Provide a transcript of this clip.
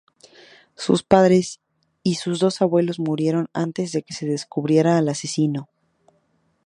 Su padre y sus dos abuelos murieron antes de que se descubriera al asesino.